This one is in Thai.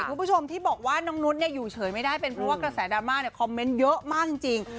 คุณผู้ชมที่บอกว่าน้องนุษย์อยู่เฉยไม่ได้เป็นเพราะว่ากระแสดราม่าเนี่ยคอมเมนต์เยอะมากจริง